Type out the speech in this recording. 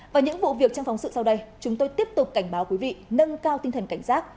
và những vụ việc trong phóng sự sau đây chúng tôi tiếp tục cảnh báo quý vị nâng cao tinh thần cảnh giác